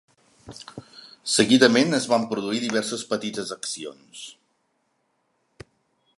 Seguidament, es van produir diverses petites accions.